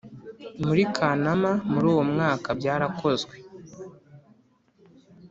Muri Kanama muri uwo mwaka byarakozwe